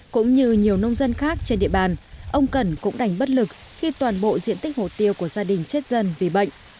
cũng như nhiều nông dân khác trên địa bàn ông cẩn cũng đành bất lực khi toàn bộ diện tích hồ tiêu của gia đình chết dân vì bệnh